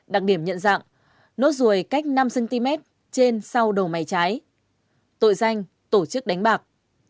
đặc điểm nhận dạng nốt ruồi cách năm cm trên sau đầu máy trái tội danh tổ chức đánh bạc